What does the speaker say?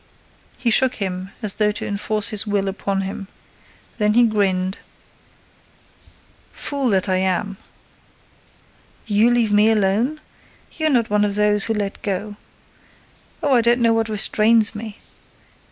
He shook him as though to enforce his will upon him. Then he grinned: "Fool that I am! You leave me alone? You're not one of those who let go! Oh, I don't know what restrains me!